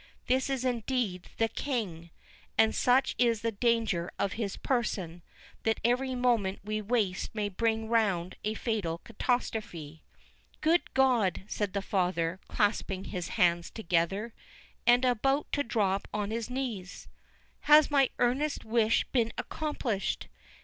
"This is indeed THE KING; and such is the danger of his person, that every moment we waste may bring round a fatal catastrophe." "Good God!" said the father, clasping his hands together, and about to drop on his knees, "has my earnest wish been accomplished!